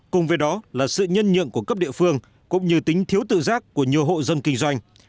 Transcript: cùng với đó là sự nhân nhượng của cấp địa phương cũng như tính thiếu tự giác của nhiều hộ dân kinh doanh